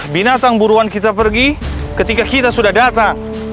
binatang buruan kita pergi ketika kita sudah datang